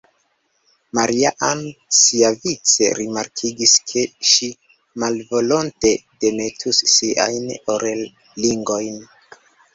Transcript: Maria-Ann siavice rimarkigis, ke ŝi malvolonte demetus siajn orelringojn.